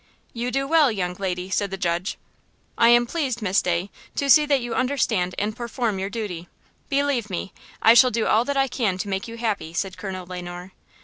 "You do well, young lady," said the judge. "I am pleased, Miss Day , to see that you understand and perform your duty; believe me, I shall do all that I can to make you happy," said Colonel Le Noir.